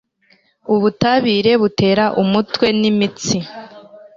ubutabire butera umutwe nimitsi